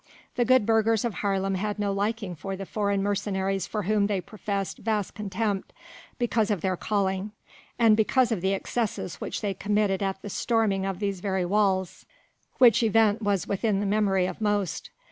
The good burghers of Haarlem had no liking for the foreign mercenaries for whom they professed vast contempt because of their calling, and because of the excesses which they committed at the storming of these very walls, which event was within the memory of most.